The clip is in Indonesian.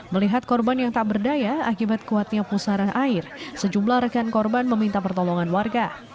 melihat korban yang tak berdaya akibat kuatnya pusaran air sejumlah rekan korban meminta pertolongan warga